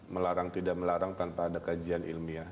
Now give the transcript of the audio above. melarang tidak melarang tanpa ada kajian ilmiah